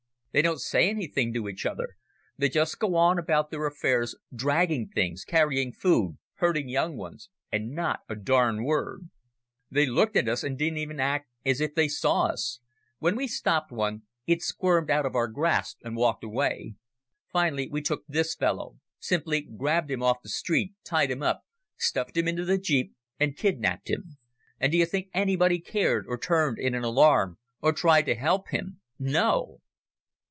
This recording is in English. They don't say anything to each other. They just go on about their affairs, dragging things, carrying food, herding young ones, and not a darn word. "They looked at us, and didn't even act as if they saw us. When we stopped one, it squirmed out of our grasp and walked away. Finally we took this fellow, simply grabbed him off the street, tied him up, stuffed him in the jeep and kidnaped him. And do you think anybody cared or turned in an alarm or tried to help him? No!"